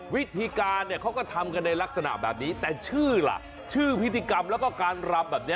วิธีการเขาก็ทำในลักษณะแบบนี้แต่ชื่อล่ะชื่อพฤติกรรมและการรำแบบนี้